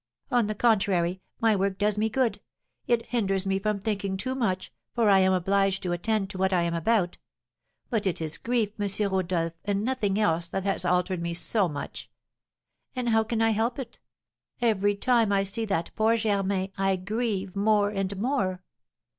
On the contrary, my work does me good; it hinders me from thinking too much, for I am obliged to attend to what I am about. But it is grief, M. Rodolph, and nothing else, that has altered me so much. And how can I help it? Every time I see that poor Germain, I grieve more and more."